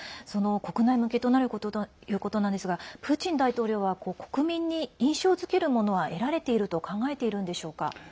国内向けとなるということですがプーチン大統領は国民に印象づけるものは得られていると考えているんでしょうか？